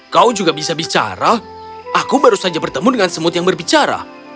kau juga bisa bicara aku baru saja bertemu dengan semut yang berbicara